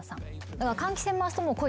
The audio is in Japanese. だから。